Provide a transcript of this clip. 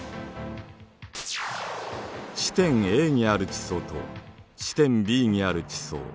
地点Ａにある地層と地点Ｂにある地層。